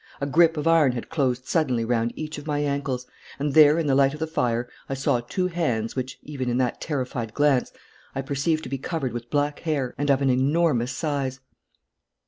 A grip of iron had closed suddenly round each of my ankles, and there in the light of the fire I saw two hands which, even in that terrified glance, I perceived to be covered with black hair and of an enormous size.